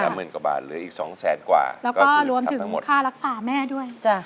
หมื่นกว่าบาทเหลืออีกสองแสนกว่าแล้วก็รวมถึงค่ารักษาแม่ด้วยจ้ะ